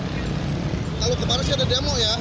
kalau kemarin sih ada demo ya